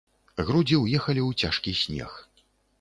Грудзі ўехалі ў цяжкі снег.